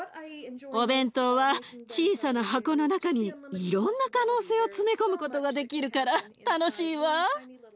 お弁当は小さな箱の中にいろんな可能性を詰め込むことができるから楽しいわ。